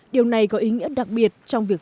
điều này có ý nghĩa đặc biệt trong việc